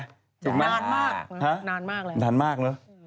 นานมากนานมากเลย